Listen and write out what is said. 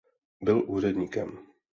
Byl úředníkem.